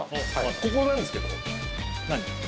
ここなんですけど。